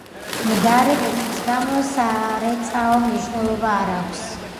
მდარე ბეწვის გამო სარეწაო მნიშვნელობა არ აქვს.